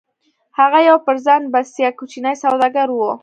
هغه يو پر ځان بسيا کوچنی سوداګر و.